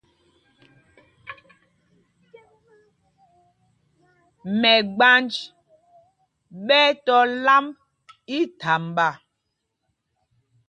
Mɛgbanj ɓɛ́ ɛ́ tɔ̄ lámb íthamba.